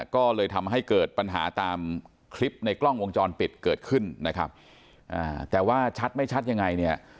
ก็เลยทำให้เกิดปัญหาตามคลิปในกล้องวงจรปิดเกิดขึ้นนะครับแต่ว่าชัดไม่ชัดยังไงเนี่ย